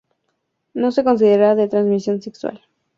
No se considera de transmisión sexual.